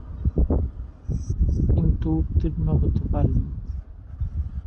কিন্তু উত্তীর্ণ হতে পারেন নি।